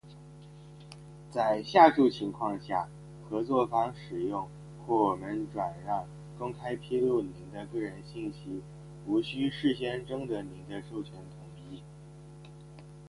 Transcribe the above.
在下述情况下，合作方使用，或我们转让、公开披露您的个人信息无需事先征得您的授权同意：